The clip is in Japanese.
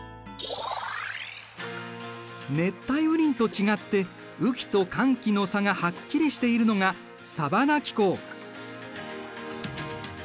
熱帯雨林と違って雨季と乾季の差がはっきりしているのがサバナ気候。